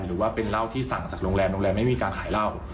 หรือว่าเป็นเหล้าที่สั่งจากโรงแรมโรงแรมไม่มีการขายเหล้า